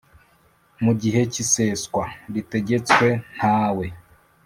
Mu gihe cy iseswa ritegetswe ntawe